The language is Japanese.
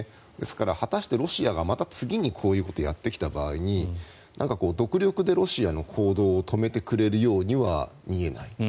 ですから、果たしてロシアがまた次にこういうことをやってきた場合に独力でロシアの行動を止めてくれるようには見えない。